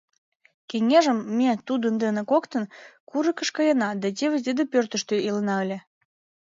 Кеҥежым ме тудын дене коктын курыкыш каена да теве тиде пӧртыштӧ илена ыле.